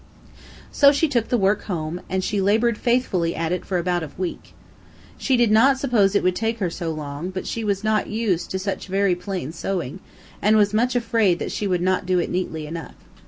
So she took the work home, and she labored faithfully at it for about a week, She did not suppose it would take her so long; but she was not used to such very plain sewing, and was much afraid that she would not do it neatly enough.